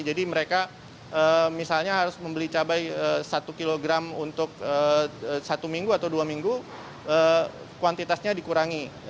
jadi mereka misalnya harus membeli cabai satu kg untuk satu minggu atau dua minggu kuantitasnya dikurangi